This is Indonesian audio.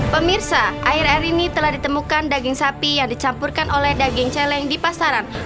pemirsa air air ini telah ditemukan daging sapi yang dicampurkan oleh daging celeng di pasaran